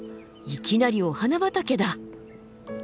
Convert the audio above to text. いきなりお花畑だ！